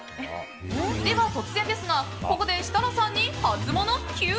では突然ですがここで設楽さんにハツモノＱ。